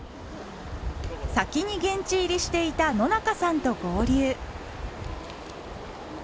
先に現地入りしていた野中さんと合流。